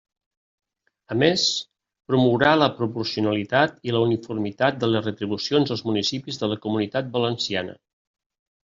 A més, promourà la proporcionalitat i la uniformitat de les retribucions als municipis de la Comunitat Valenciana.